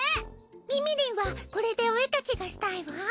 みみりんはこれでお絵描きがしたいわ。